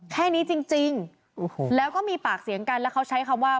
แค่นี้จริงแล้วก็มีปากเสียงกันแล้วเขาใช้คำว่า